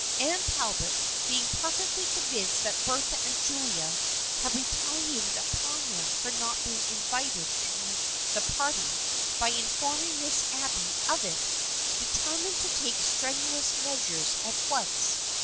Anne Talbot, being perfectly convinced that Bertha and Julia had retaliated upon them for not being invited to the party by informing Miss Abby of it, deter mined to take strenuous measures at once.